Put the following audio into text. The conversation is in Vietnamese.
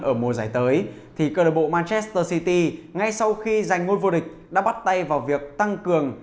ở mùa giải tới thì cơ đội manchester city ngay sau khi giành ngôi vô địch đã bắt tay vào việc tăng cường